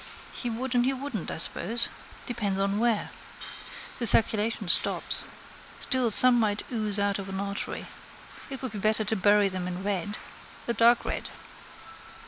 He would and he wouldn't, I suppose. Depends on where. The circulation stops. Still some might ooze out of an artery. It would be better to bury them in red: a dark red.